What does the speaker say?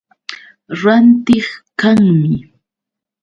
Rantiq kanmi.